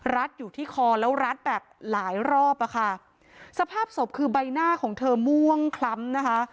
อยู่ที่คอแล้วรัดแบบหลายรอบอะค่ะสภาพศพคือใบหน้าของเธอม่วงคล้ำนะคะ